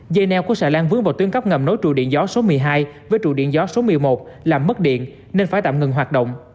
dây neo của xà lan vướng vào tuyến cắp ngầm nối trụ điện gió số một mươi hai với trụ điện gió số một mươi một làm mất điện nên phải tạm ngừng hoạt động